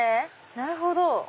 なるほど！